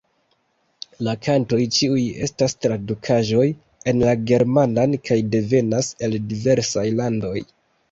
La kantoj ĉiuj estas tradukaĵoj en la germanan kaj devenas el diversaj landoj.